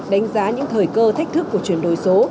đánh giá những thời cơ thách thức của chuyển đổi số